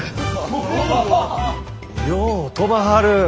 よう飛ばはる。